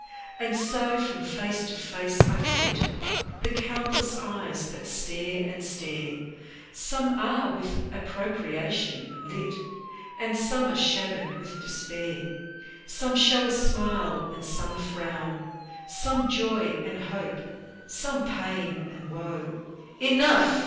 And so from face to face I flit, The countless eyes that stare and stare; Some are with approbation lit, And some are shadowed with despair. Some show a smile and some a frown; Some joy and hope, some pain and woe: Enough!